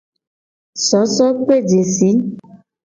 Sosokpejesi.